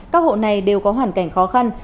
các hộ này đều có hoàn cảnh khó khăn